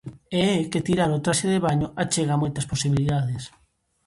E é que tirar o traxe de baño achega moitas posibilidades.